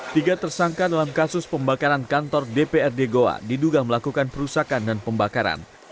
tiga tersangka dalam kasus pembakaran kantor dprd goa diduga melakukan perusakan dan pembakaran